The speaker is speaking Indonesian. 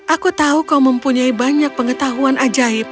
aku tahu kau mempunyai banyak pengetahuan ajaib